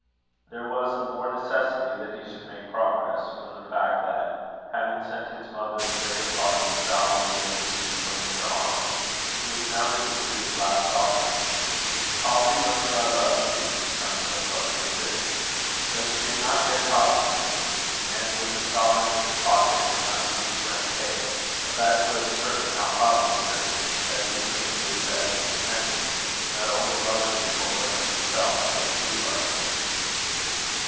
There was the more necessity that he should make progress, from the fact that, having sent his mother the greater part of the salary he had received from Mr. Arnold, he was now reduced to his last sovereign. Poverty looks rather ugly when she comes so close as this. But she had not yet accosted him; and with a sovereign in his pocket, and last week's rent paid, a bachelor is certainly not poverty stricken, at least when he is as independent, not only of other people, but of himself, as Hugh was.